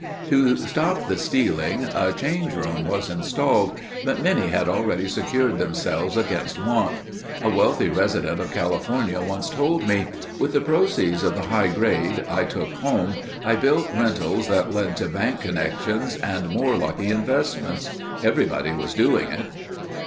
To stop the stealing, a change room was installed but many had already secured themselves against want. A wealthy resident of California once told me: "With the proceeds of the high grade I took home I built rentals that led to bank connections and more lucky investments. Everybody was doing it."